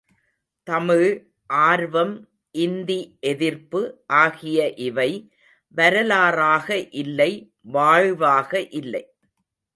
தமிழ் ஆர்வம் இந்தி எதிர்ப்பு ஆகிய இவை வரலாறாக இல்லை வாழ்வாக இல்லை.